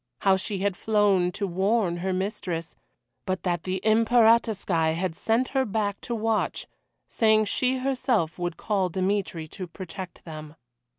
How she had flown to warn her mistress, but that the Imperatorskoye had sent her back to watch, saying she herself would call Dmitry to protect them.